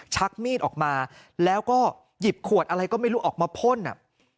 ชักมีดออกมาแล้วก็หยิบขวดอะไรก็ไม่รู้ออกมาพ่นอ่ะ